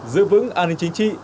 giữ vững an ninh chính trị